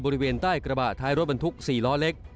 บริเวณใต้กระบะท้ายรถบรรทุก๔ล้อเล็ก